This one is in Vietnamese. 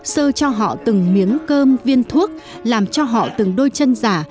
sơ cho họ từng miếng cơm viên thuốc làm cho họ từng đôi chân giả